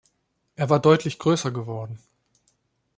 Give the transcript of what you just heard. Er war deutlich größer geworden.